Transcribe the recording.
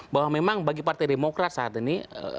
bahwa memang bagi partai demokrat saat ini